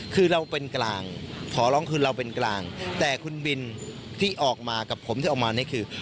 คือถอลองคือเราเป็นกลางแต่คุณบิลที่ออกมากับผมที่ออกมานี่คือ